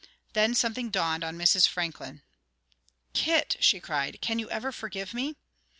Then something dawned on Mrs. Franklin. "Kit," she cried, "can you ever forgive me?"